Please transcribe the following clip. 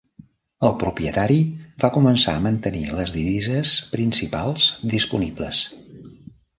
El propietari va començar a mantenir les divises principals disponibles.